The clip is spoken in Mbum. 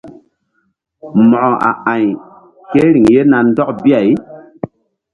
Mo̧ko a a̧y ke riŋ ye na ndɔk bi-ay.